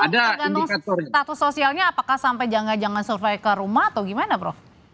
status sosialnya apakah sampai jangan survei ke rumah atau gimana prof